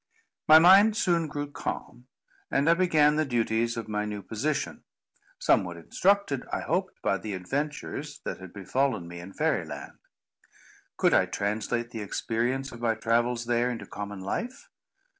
My mind soon grew calm; and I began the duties of my new position, somewhat instructed, I hoped, by the adventures that had befallen me in Fairy Land. Could I translate the experience of my travels there, into common life?